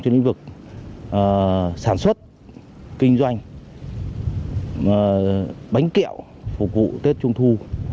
trên lĩnh vực sản xuất kinh doanh bánh kẹo phục vụ tết trung thu